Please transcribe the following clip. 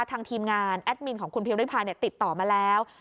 ทีมงานแอดมินของคุณพิวริพาติดต่อมาแล้ว